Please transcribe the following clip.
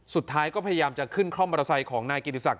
สุดท้ายก็พยายามจะขึ้นเข้ามารถไซค์ของนายกิติศักดิ์